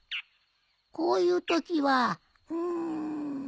こういうときはうん。